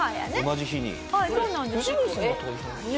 同じ日に。